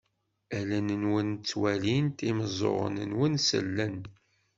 Allen-nwen ttwalint, imeẓẓuɣen-nwen sellen.